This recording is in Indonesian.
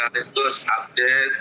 dan itu seadat